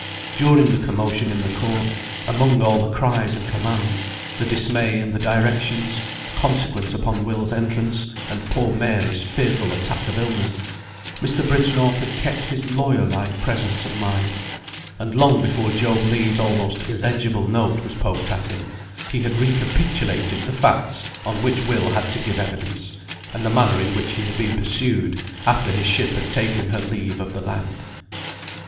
During the commotion in the court, among all the cries and commands, the dismay and the directions, consequent upon Will's entrance, and poor Mary's fearful attack of illness, Mr. Bridgenorth had kept his lawyer like presence of mind; and long before Job Legh's almost illegible note was poked at him, he had recapitulated the facts on which Will had to give evidence, and the manner in which he had been pursued, after his ship had taken her leave of the land.